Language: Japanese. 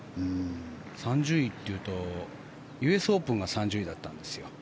３０位というと、ＵＳオープンが３０位だったんですよ。